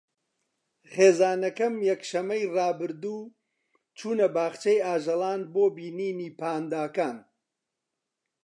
خێزانەکەم یەکشەممەی ڕابردوو چوونە باخچەی ئاژەڵان بۆ بینینی پانداکان.